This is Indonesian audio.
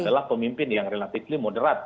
adalah pemimpin yang relatifly moderat